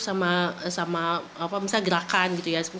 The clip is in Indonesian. yang masih tidak sensitif sama gerakan